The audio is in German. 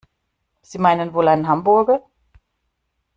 Sie meinen wohl einen Hamburger?